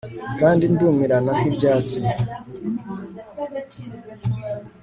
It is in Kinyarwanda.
kandi ndumirana nk'ibyatsi